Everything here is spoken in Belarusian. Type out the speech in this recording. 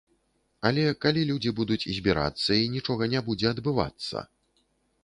Але калі людзі будуць збірацца і нічога не будзе адбывацца?